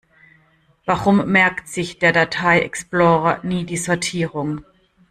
Warum merkt sich der Datei-Explorer nie die Sortierung?